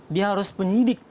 dia harus penyidik